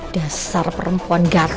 dasar perempuan gatel